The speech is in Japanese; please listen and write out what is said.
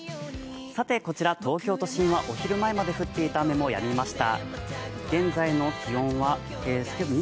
こちら東京都心は、お昼前まで降っていた雨もやみました。